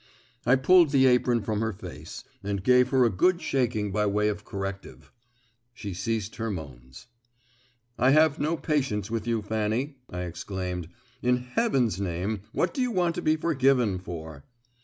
I pulled the apron from her face, and gave her a good shaking by way of corrective. She ceased her moans. "I have no patience with you, Fanny," I exclaimed. "In heaven's name, what do you want to be forgiven for?"